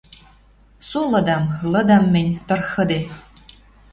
Со лыдам, лыдам мӹнь, тырхыде...» —